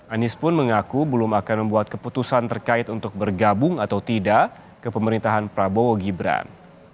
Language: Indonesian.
anies pun mengaku belum akan membuat keputusan terkait untuk bergabung atau tidak ke pemerintahan prabowo gibran